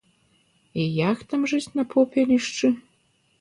І як там жыць на попелішчы?